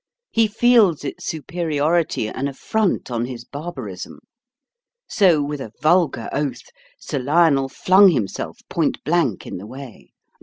He feels its superiority an affront on his barbarism. So, with a vulgar oath, Sir Lionel flung himself point blank in the way.